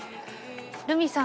ルミさん